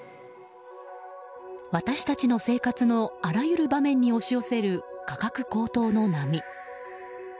私たちの生活のあらゆる場面に押し寄せる価格高騰の波。